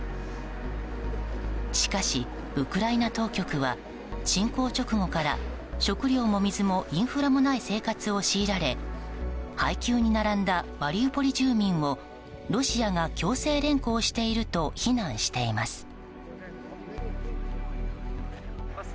しかし、ウクライナ当局は侵攻直後から食料も水もインフラもない生活を強いられ配給に並んだマリウポリ住民をロシアが強制連行していると非難しています。